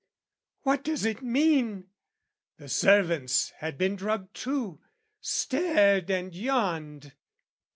"What does it mean?" The servants had been drugged too, stared and yawned.